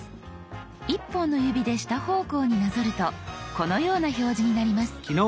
１本の指で下方向になぞるとこのような表示になります。